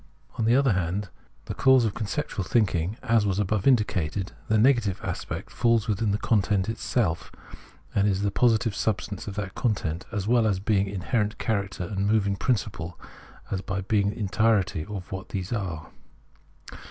On the other hand, in the case of conceptual thinking, as was above indicated, the negative aspect falls within the content itself, and is the positive substance of that content, as well by being its inherent character and moving principle as by being the entirety of what these are.